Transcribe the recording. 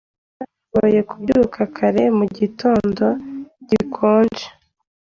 Ndabona bigoye kubyuka kare mugitondo gikonje.